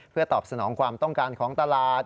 เพื่อตอบสนองความต้องการของตลาด